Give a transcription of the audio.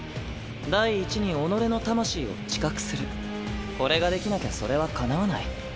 第一に己の魂を知覚するこれができなきゃそれはかなわない。